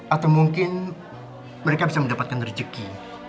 atau mungkin mereka bisa mendapatkan rejeki